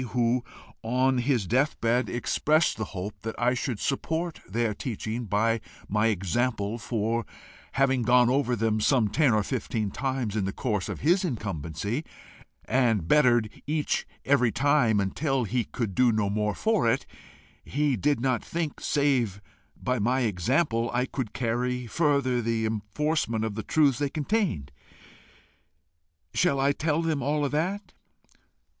who, on his death bed, expressed the hope that I should support their teaching by my example, for, having gone over them some ten or fifteen times in the course of his incumbency, and bettered each every time until he could do no more for it, he did not think, save by my example, I could carry further the enforcement of the truths they contained: shall I tell them all that?"